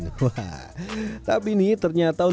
tapi ini ternyata untuk mencari makanan yang lebih enak